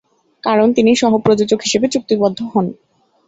কারণ তিনি সহ-প্রযোজক হিসেবে চুক্তিবদ্ধ হন।